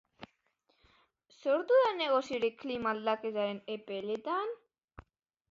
Sortu da negoziorik klima aldaketaren epeletan?